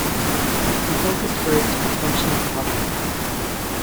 He focused first on functional pottery.